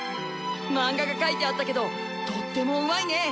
漫画が描いてあったけどとってもうまいね。